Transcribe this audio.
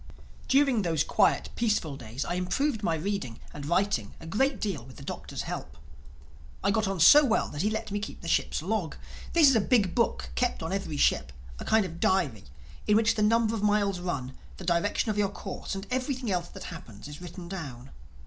During those quiet peaceful days I improved my reading and writing a great deal with the Doctor's help. I got on so well that he let me keep the ship's log. This is a big book kept on every ship, a kind of diary, in which the number of miles run, the direction of your course and everything else that happens is written down.